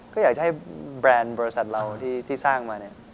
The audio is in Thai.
ก็อยากจะให้แบรนด์บริษัทเราที่สร้างมาเนี่ย